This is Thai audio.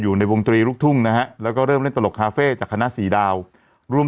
อยู่ในวงตรีลูกทุ่งนะฮะแล้วก็เริ่มเล่นตลกคาเฟ่จากคณะสี่ดาวร่วม